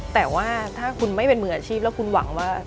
แต่ว่าถ้าคุณไม่เป็นมืออาชีพแล้วคุณหวังว่า